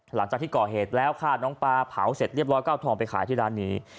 หลังจากที่ก่อเหตุแล้วฆ่าน้องปลาเผาเสร็จเรียบร้อยก็เอาทองไปขายที่ร้านนี้